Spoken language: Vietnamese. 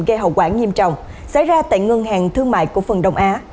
gây hậu quả nghiêm trọng xảy ra tại ngân hàng thương mại cổ phần đông á